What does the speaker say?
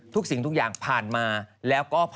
ทุกสิ่งทุกอย่างผ่านมาแล้วก็ผ่านไป